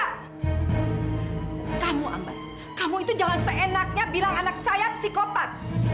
mbak kamu mbak kamu itu jangan seenaknya bilang anak saya psikopat